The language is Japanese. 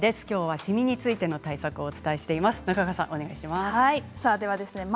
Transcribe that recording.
きょうは、シミについての対策をお伝えしています。